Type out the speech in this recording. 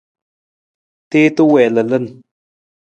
Tuwiita wii lalan.